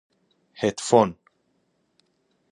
هدفون